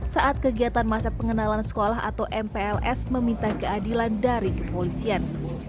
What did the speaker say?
saat kegiatan masa pengenalan sekolah atau mpls meminta keadilan dari kepolisian